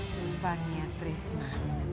sumpah nia trisna